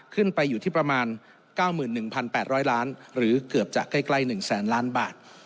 ขึ้นไปอยู่ที่ประมาณ๙๑๘๐๐ล้านหรือเกือบจะใกล้๑แสนล้านบาท